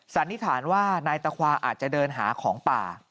สันนิษฐานว่านายตะควาอาจจะเดินหาของป่า